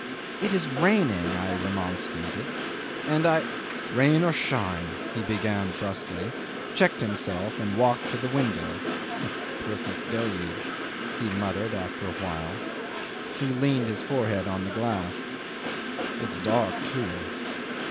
"It is raining," I remonstrated, "and I ..." "Rain or shine," he began brusquely, checked himself, and walked to the window. "Perfect deluge," he muttered after a while: he leaned his forehead on the glass. "It's dark, too."